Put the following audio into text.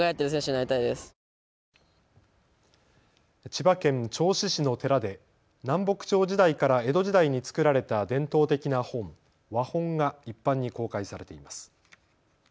千葉県銚子市の寺で南北朝時代から江戸時代に作られた伝統的な本、和本が一般に公開されています。